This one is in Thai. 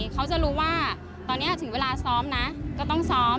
เขาจะรู้ว่าตอนนี้ถึงเวลาซ้อมนะก็ต้องซ้อม